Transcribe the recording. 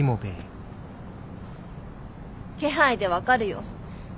気配で分かるよ。